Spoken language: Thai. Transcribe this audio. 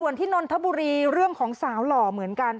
ส่วนที่นนทบุรีเรื่องของสาวหล่อเหมือนกัน